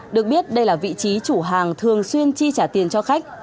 được biết đây là vị trí chủ hàng thường xuyên chi trả tiền cho khách